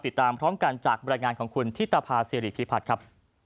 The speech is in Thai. ติดตามพร้อมกันจากบรรยายงานของคุณธิตภาษิริพิพัฒน์ครับ